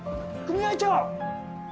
組合長！